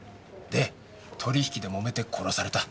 で取り引きでもめて殺された。